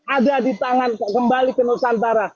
ada di tangan kok kembali ke nusantara